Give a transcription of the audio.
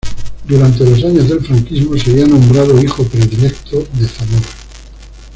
Durante los años del franquismo sería nombrado hijo predilecto de Zamora.